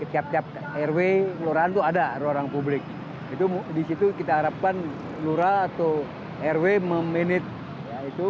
tiap tiap rw lurahan tuh ada ruang publik itu disitu kita harapkan lura atau rw memenit itu